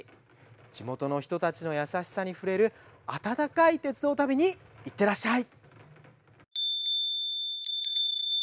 地元の人たちの優しさに触れる温かい鉄道旅に行ってらっしゃい！